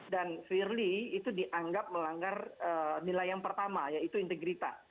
dan firli itu dianggap melanggar nilai yang pertama yaitu integritas